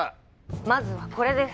まずはこれです